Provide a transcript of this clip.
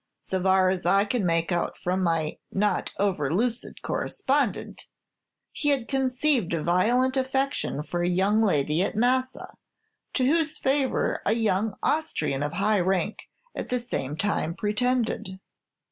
So far as I can make out from my not over lucid correspondent, he had conceived a violent affection for a young lady at Massa, to whose favor a young Austrian of high rank at the same time pretended."